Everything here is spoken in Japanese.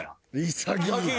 潔い！